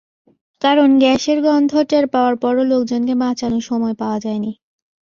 কারণ, গ্যাসের গন্ধ টের পাওয়ার পরও লোকজনকে বাঁচানোর সময় পাওয়া যায়নি।